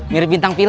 mirip bintang film